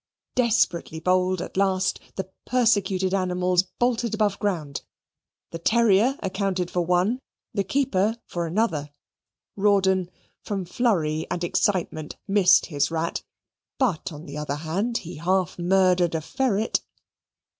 Desperately bold at last, the persecuted animals bolted above ground the terrier accounted for one, the keeper for another; Rawdon, from flurry and excitement, missed his rat, but on the other hand he half murdered a ferret.